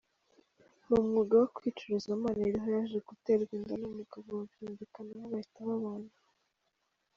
Mu mwuga wo kwicuruza Maniriho yaje guterwa inda n’umugabo, babyumvikanaho bahita babana.